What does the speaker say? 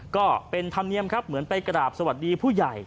ก็เป็นธรรมเนียมครับเหมือนไปกราบสวัสดีผู้ใหญ่